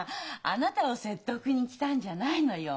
あなたを説得に来たんじゃないのよ。